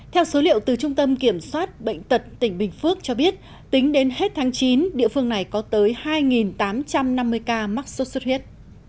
theo số liệu từ trung tâm kiểm soát bệnh tật tỉnh bình phước cho biết tính đến hết tháng chín địa phương này có tới hai tám trăm năm mươi ca mắc sốt xuất huyết